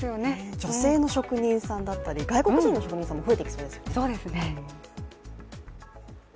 女性の職人さんだったり、外国人の職人さんも増えていきそうですね。